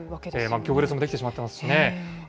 行列も出来てしまっていますしね。